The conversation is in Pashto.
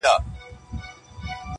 صبر په هر څه کي په کار دی،